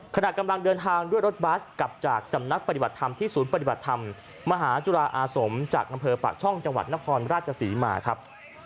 ขณะกำลังเดินทางด้วยรถบัสกลับจากสำนักปฏิบัติธรรมที่ศูนย์ปฏิบัติธรรมมหาจุฬาอาสมจากอำเภอปากช่องจังหวัดนครราชศรีมาครับ